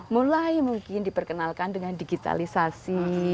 mulai mungkin diperkenalkan dengan digitalisasi